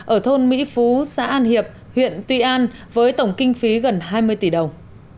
ở thôn mỹ phú xã an hiệp huyện tuy an với tổng kinh phí gần hai mươi tỷ đồng